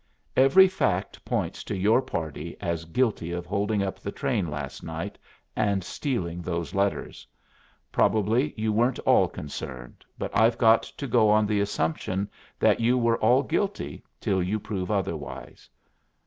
Every fact points to your party as guilty of holding up the train last night and stealing those letters. Probably you weren't all concerned, but I've got to go on the assumption that you are all guilty, till you prove otherwise."